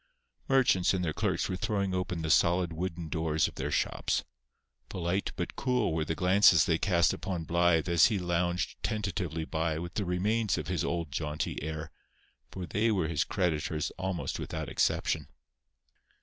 Merchants and their clerks were throwing open the solid wooden doors of their shops. Polite but cool were the glances they cast upon Blythe as he lounged tentatively by with the remains of his old jaunty air; for they were his creditors almost without exception.